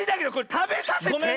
たべさせて。